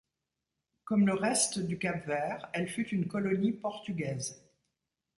Comme le reste du Cap-Vert elle fut une colonie portugaise.